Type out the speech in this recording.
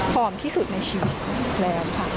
พร้อมที่สุดในชีวิตแรงค่ะ